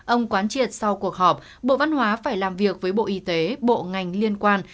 ông quán triệt sau cuộc họp bộ văn hóa phải làm việc với bộ y tế bộ ngành liên quan